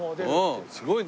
すごいね。